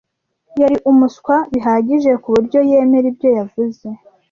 Yari umuswa bihagije ku buryo yemera ibyo yavuze.